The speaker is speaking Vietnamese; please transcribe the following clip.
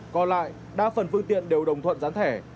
còn lại đa phần phương tiện đều đồng thuận gián thẻ